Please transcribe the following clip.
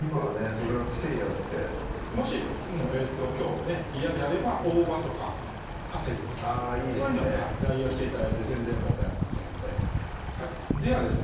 それが癖になってもしきょう嫌であれば大葉とかパセリとかそういうので代用して頂いて全然問題ありませんのでではですね